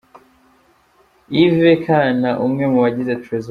Yves Kana, umwe mu bagize Trezzor.